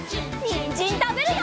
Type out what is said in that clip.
にんじんたべるよ！